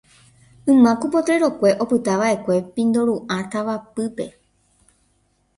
Yma ku potrero-kue opytava'ekue Pindoru'ã tavapýpe.